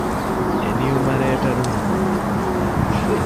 އެނިއުމަރޭޓަރުން ހޯދުމަށް